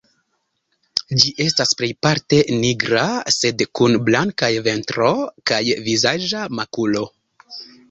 Ĝi estas plejparte nigra, sed kun blankaj ventro kaj vizaĝa makulo.